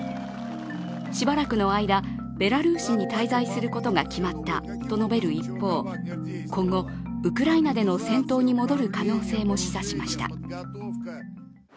しばらくの間、ベラルーシに滞在することが決まったと述べる一方今後、ウクライナでの戦闘に戻る可能性も示唆しました。